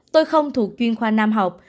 tôi không thuộc chuyên khoa nam học